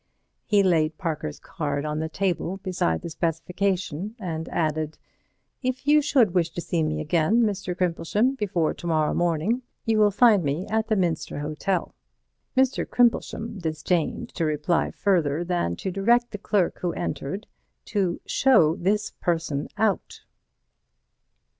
He laid Parker's card on the table beside the specification, and added: "If you should wish to see me again, Mr. Crimplesham, before to morrow morning, you will find me at the Minster Hotel." Mr. Crimplesham disdained to reply further than to direct the clerk who entered to "show this person out."